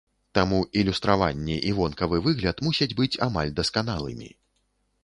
Таму ілюстраванне і вонкавы выгляд мусяць быць амаль дасканалымі.